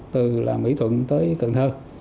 từ mỹ thuận tới cần thơ